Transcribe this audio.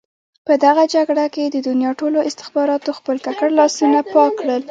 په دغه جګړه کې د دنیا ټولو استخباراتو خپل ککړ لاسونه پاک کړل.